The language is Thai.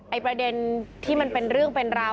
ประเด็นที่มันเป็นเรื่องเป็นราว